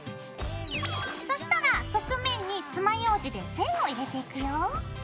そしたら側面につまようじで線を入れていくよ。